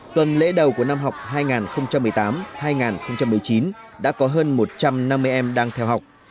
tuần lễ đầu của năm học hai nghìn một mươi tám hai nghìn một mươi chín đã có hơn một trăm năm mươi em đang theo học